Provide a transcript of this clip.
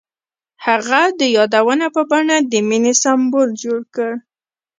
هغه د یادونه په بڼه د مینې سمبول جوړ کړ.